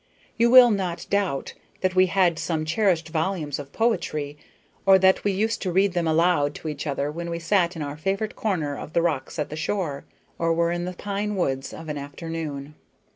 You will not doubt that we had some cherished volumes of poetry, or that we used to read them aloud to each other when we sat in our favorite corner of the rocks at the shore, or were in the pine woods of an afternoon.